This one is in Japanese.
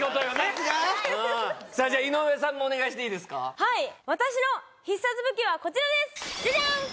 さすが井上さんもお願いしていいですか私の必殺武器はこちらですじゃじゃん！